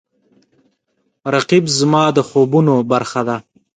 رقیب زما د خوبونو برخه ده